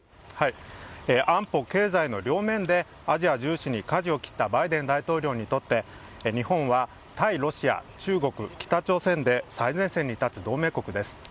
安保・経済の両面でアジア重視にかじを切ったバイデン大統領にとって、日本は対ロシア、中国、北朝鮮で最前線に立つ同盟国です。